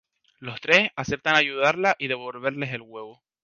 Los tres aceptan ayudarlas y devolverles el huevo.